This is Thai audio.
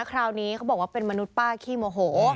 คราวนี้เขาบอกว่าเป็นมนุษย์ป้าขี้โมโห